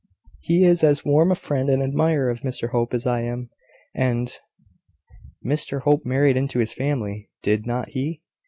"He is as warm a friend and admirer of Mr Hope as I am; and " "Mr Hope married into his family, did not he?"